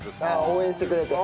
応援してくれて。